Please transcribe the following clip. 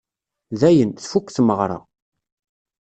Dayen, tfukk tmeɣra.